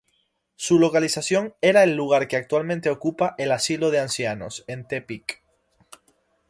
Su localización era el lugar que actualmente ocupa el "Asilo de Ancianos" en Tepic.